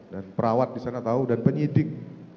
dan perawat di sana tahu dan penyidik